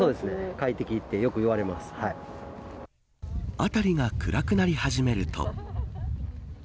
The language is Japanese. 辺りが暗くなり始めると。